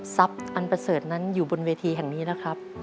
ทรัพย์อันประเสริมนั้นอยู่บนเวทีแห่งนี้แล้วครับ